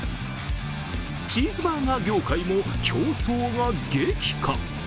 チーズバーガー業界も競争が激化。